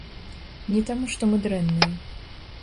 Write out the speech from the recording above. Не таму што мы дрэнныя.